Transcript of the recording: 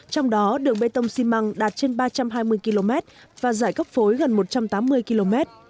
trong đó đường bê tông xi măng đạt trên ba trăm hai mươi km và dài cấp phối gần một trăm tám mươi km